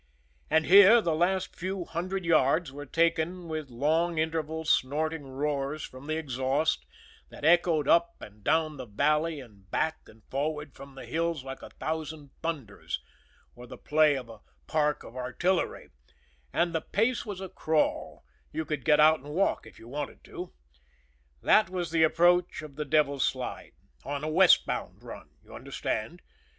And here, the last few hundred yards were taken with long interval, snorting roars from the exhaust, that echoed up and down the valley, and back and forward from the hills like a thousand thunders, or the play of a park of artillery, and the pace was a crawl you could get out and walk if you wanted to. That was the approach of the Devil's Slide on a westbound run, you understand?